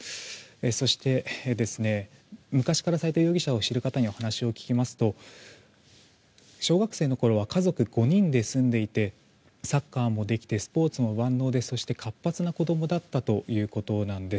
そして、昔から斎藤容疑者を知る方にお話を聞きますと小学生のころは家族５人で住んでいてサッカーもできてスポーツも万能でそして活発な子供だったということなんです。